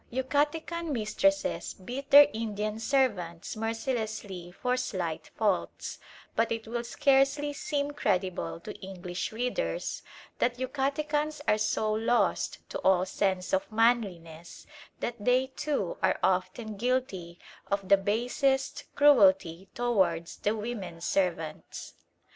Yucatecan mistresses beat their Indian servants mercilessly for slight faults; but it will scarcely seem credible to English readers that Yucatecans are so lost to all sense of manliness that they, too, are often guilty of the basest cruelty towards the women servants.